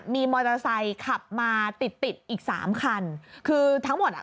มีมอเตอร์ไซค์ขับมาติดติดอีกสามคันคือทั้งหมดอ่ะ